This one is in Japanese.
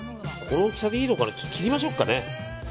この大きさでいいのかな切りましょうかね。